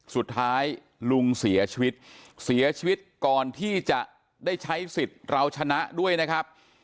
สุดท้ายลุงเสียชีวิตเสียชีวิตก่อนที่จะได้ใช้สิทธิ์เราชนะด้วยนะครับ